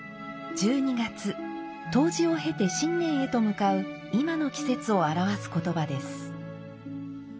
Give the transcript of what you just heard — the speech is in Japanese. １２月冬至を経て新年へと向かう今の季節を表す言葉です。